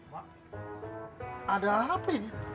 mak ada apa ini